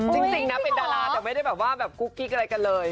จริงนะเป็นดาราแต่ไม่ได้แบบคุกกี้กันอะไรกันเลย